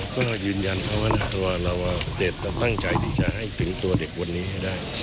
ก็ยืนยันเขาว่าตัวเราตั้งใจที่จะให้ถึงตัวเด็กวันนี้ให้ได้